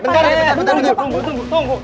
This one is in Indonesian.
bentar ya bentar ya bentar ya bentar ya